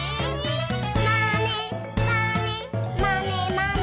「まねまねまねまね」